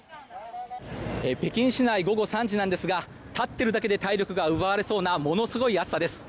北京市内午後３時なんですが立っているだけで体力が奪われそうなものすごい暑さです。